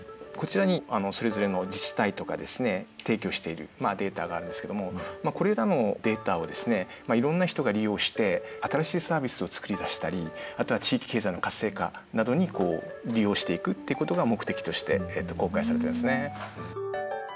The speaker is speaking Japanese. こちらにそれぞれの自治体とかですね提供しているデータがあるんですけどもこれらのデータをいろんな人が利用して新しいサービスを作り出したりあとは地域経済の活性化などに利用していくってことが目的として公開されているんですね。